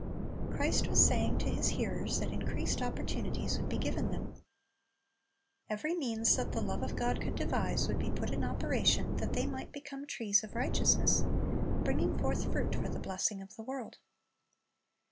Christ was saying to His hearers that increased opportunities would be given them. Every means that the love of God could devise would be put in operation that they might become trees of righteous ness, bringing forth fruit for the blessing of the world.